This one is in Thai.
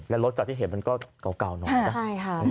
และรถจากที่เห็นมันก็เก่าน้อย